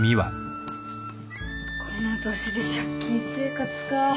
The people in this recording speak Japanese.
この年で借金生活か。